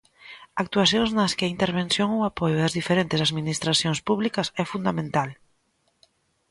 Actuacións nas que a intervención ou apoio das diferentes Administracións públicas é fundamental.